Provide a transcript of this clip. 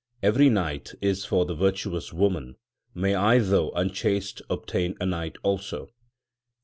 Every night is for the virtuous woman ; may I though unchaste obtain a night also